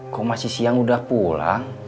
kok masih siang udah pulang